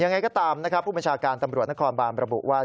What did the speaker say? ยังไงก็ตามนะครับผู้บัญชาการตำรวจนครบานระบุว่า